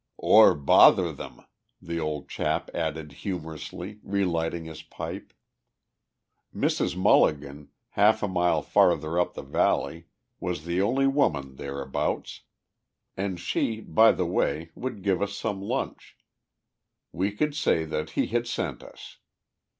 " or bother them," the old chap added humorously, relighting his pipe. Mrs. Mulligan, half a mile farther up the valley, was the only woman thereabouts; and she, by the way, would give us some lunch. We could say that he had sent us.